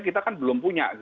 kita kan belum punya